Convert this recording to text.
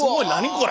これ。